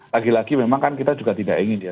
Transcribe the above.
lagi lagi memang kan kita juga tidak ingin ya